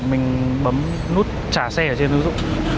mình bấm nút trả xe ở trên ứng dụng